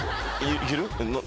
いける？